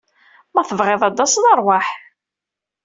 Ma tebɣiḍ ad d-taseḍ, rwaḥ.